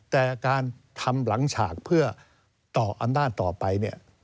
แต่การทำหลังฉากเพื่อต่ออันด้านต่อไป